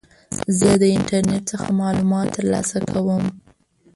زه د انټرنیټ څخه معلومات ترلاسه کوم.